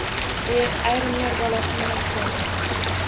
Ex ayrimlar bolasin yanchgan